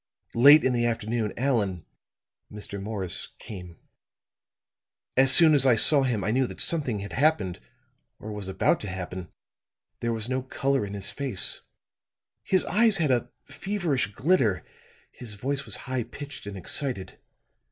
"Late in the afternoon, Allan Mr. Morris came. As soon as I saw him I knew that something had happened or was about to happen. There was no color in his face; his eyes had a feverish glitter, his voice was high pitched and excited.